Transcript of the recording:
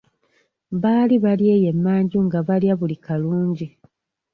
Baali bali eyo emanju nga balya buli kalungi.